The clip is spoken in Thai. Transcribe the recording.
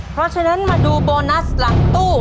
เพราะฉะนั้นมาดูโบนัสหลังตู้